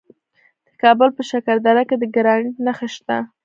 د کابل په شکردره کې د ګرانیټ نښې شته.